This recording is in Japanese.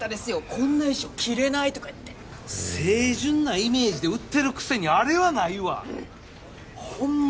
こんな衣装着れないとか言って清純なイメージで売ってるくせにあれはないわホンマ